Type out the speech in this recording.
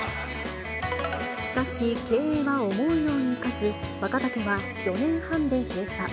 しかし、経営は思うようにいかず、若竹は４年半で閉鎖。